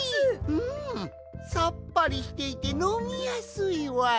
うんさっぱりしていてのみやすいわい。